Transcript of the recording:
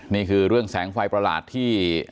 นี่คือเรื่องแสงไฟประหลาดที่